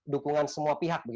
dukungan semua pihak